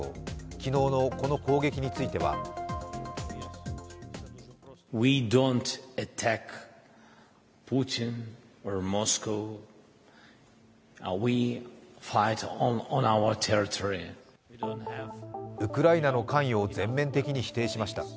昨日のこの攻撃についてはウクライナの関与を全面的に否定しました。